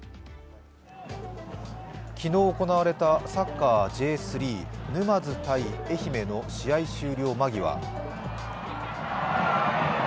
昨日行われたサッカーＪ３、沼津×愛媛の試合終了間際。